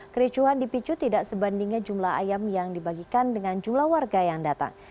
kericuhan dipicu tidak sebandingnya jumlah ayam yang dibagikan dengan jumlah warga yang datang